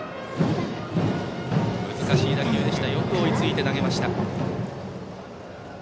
難しい打球でしたがよく追いついて投げました。